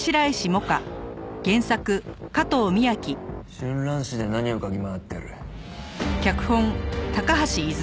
春蘭市で何を嗅ぎ回ってる？